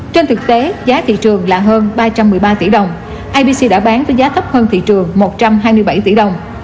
trên thực tế giá thị trường là hơn ba trăm một mươi ba tỷ đồng ipc đã bán với giá thấp hơn thị trường một trăm hai mươi bảy tỷ đồng